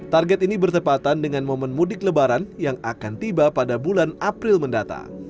target ini bertepatan dengan momen mudik lebaran yang akan tiba pada bulan april mendatang